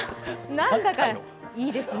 なんだかいいですね。